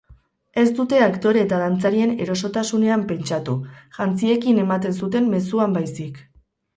Ez dute aktore eta dantzarien erosotasunean pentsatu, jantziekin ematen zuten mezuan baizik.